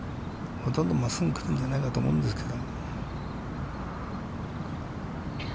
ほとんど真っすぐ来るんじゃないかと思うんですけど。